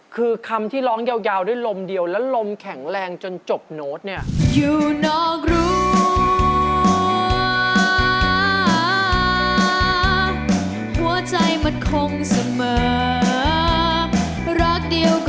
คือคำที่ร้องยาวด้วยลมเดียวแล้วลมแข็งแรงจนจบโน้ตเนี่ย